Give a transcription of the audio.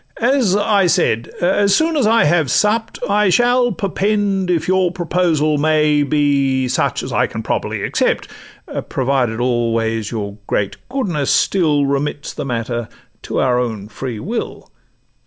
—as I said, as soon as I have supt, I shall perpend if your proposal may Be such as I can properly accept; Provided always your great goodness still Remits the matter to our own free will.